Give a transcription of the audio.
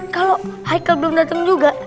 kalau hicle belum datang juga